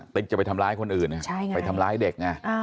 ติ๊กจะไปทำร้ายคนอื่นอ่ะไปทำร้ายเด็ก